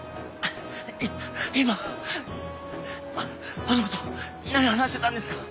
今あの子と何話してたんですか？